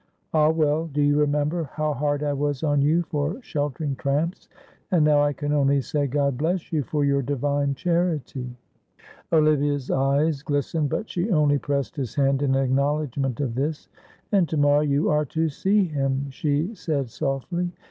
Ah, well, do you remember how hard I was on you for sheltering tramps, and now I can only say, God bless you for your divine charity." Olivia's eyes glistened, but she only pressed his hand in acknowledgment of this. "And to morrow you are to see him," she said, softly.